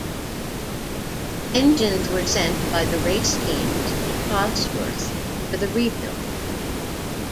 Engines were sent by the race teams to Cosworth for the rebuild.